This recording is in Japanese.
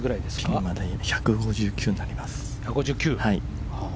ピンまで１５９になります。